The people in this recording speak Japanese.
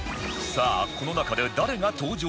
さあこの中で誰が登場するのか？